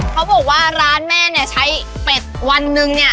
เขาบอกว่าร้านแม่เนี่ยใช้เป็ดวันหนึ่งเนี่ย